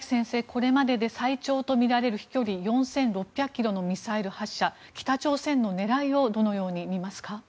これまでで最長とみられる飛距離４６００ｋｍのミサイル発射北朝鮮の狙いをどのように見ますか？